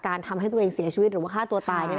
การทำให้ตัวเองเสียชีวิตหรือฆาตตัวตาย